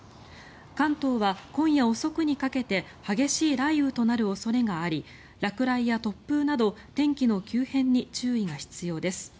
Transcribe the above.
関東は今夜遅くにかけて激しい雷雨となる恐れがあり落雷や突風など天気の急変に注意が必要です。